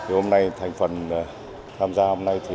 hôm nay thành phần tham gia hôm nay